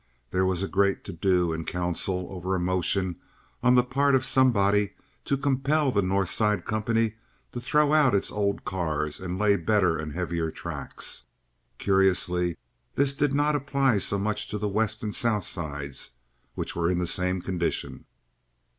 There was a great to do in council over a motion on the part of somebody to compel the North Side company to throw out its old cars and lay better and heavier tracks. Curiously, this did not apply so much to the West and South Sides, which were in the same condition.